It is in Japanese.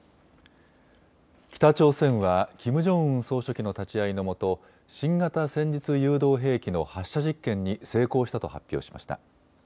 北朝鮮はキム・ジョンウン総書記の立ち会いのもと新型戦術誘導兵器の発射実験に成功したと発表しました。